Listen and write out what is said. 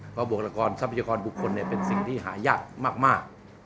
เพราะบุคลากรทรัพยากรบุคคลเป็นสิ่งที่หายากมาก